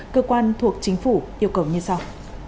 cơ quan thuộc chính phủ yêu cầu như sau